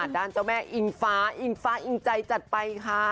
เจ้าแม่อิงฟ้าอิงฟ้าอิงใจจัดไปค่ะ